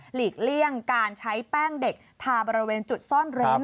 ลีกเลี่ยงการใช้แป้งเด็กทาบริเวณจุดซ่อนเร้น